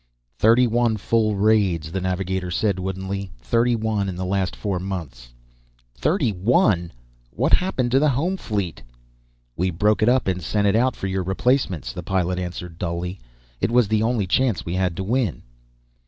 "Thirty one full raids," the navigator said woodenly. "Thirty one in the last four months!" "Thirty one! What happened to the home fleet?" "We broke it up and sent it out for your replacements," the pilot answered dully. "It was the only chance we had to win."